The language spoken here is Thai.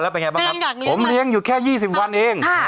ผมเลี้ยงอยู่แค่๒๐วันเอง